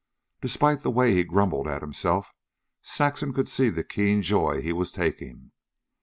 Despite the way he grumbled at himself, Saxon could see the keen joy he was taking.